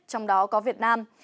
trong đó có việt nam